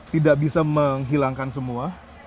tidak bisa menghilangkan semua